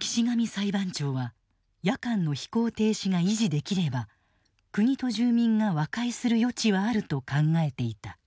岸上裁判長は夜間の飛行停止が維持できれば国と住民が和解する余地はあると考えていた。